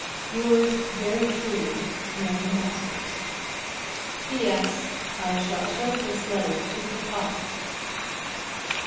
Yours very truly, MARY MASTERS. P.S. I shall show this letter to papa.